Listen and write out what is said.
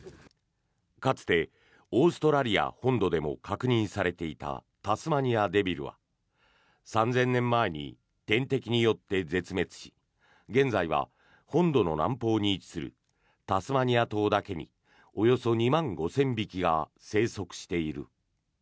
かつてオーストラリア本土でも確認されていたタスマニアデビルは３０００年前に天敵によって絶滅し現在は本土の南方に位置するタスマニア島だけにおよそ２万５０００匹が生息している。